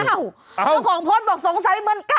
เจ้าของโพสต์บอกสงสัยเหมือนกัน